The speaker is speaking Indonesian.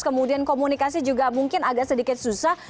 kemudian komunikasi juga mungkin agak sedikit susah